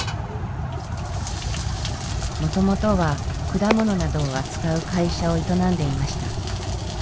もともとは果物などを扱う会社を営んでいました。